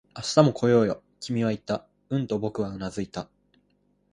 「明日も来ようよ」、君は言った。うんと僕はうなずいた